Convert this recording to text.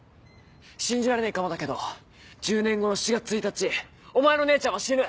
信じられねえかもだけど１０年後の７月１日お前の姉ちゃんは死ぬ。